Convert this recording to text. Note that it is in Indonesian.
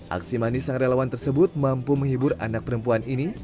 aksi manis sang relawan tersebut mampu menghibur anak perempuan ini